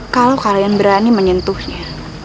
kalau kalian berani menyentuhnya